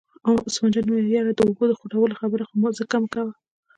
عثمان جان وویل: یار د اوبو د خوټولو خبره خو ځکه مکوه.